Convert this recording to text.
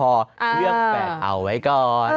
เลือก๘เอาไว้ก่อน